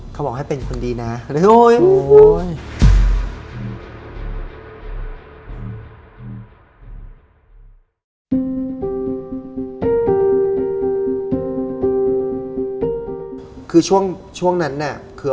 เขาบอกให้เป็นคนดีน่ะโอ้โฮ